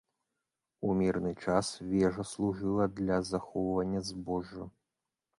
У мірны час вежа служыла для захоўвання збожжа.